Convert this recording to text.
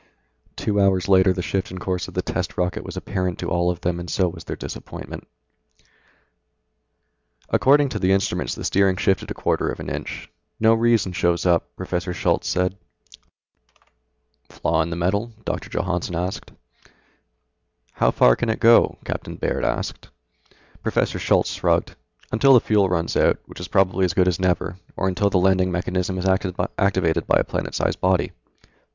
Two hours later the shift in course of the test rocket was apparent to all of them and so was their disappointment. "According to the instruments the steering shifted a quarter of an inch. No reason shows up," Professor Schultz said. "Flaw in the metal?" Doctor Johannsen said. "How far can it go?" Captain Baird asked. Professor Schultz shrugged. "Until the fuel runs out, which is probably as good as never, or until the landing mechanism is activated by a planet sized body."